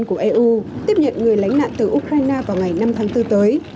nhiều thành viên của eu tiếp nhận người lãnh nạn từ ukraine vào ngày năm tháng bốn tới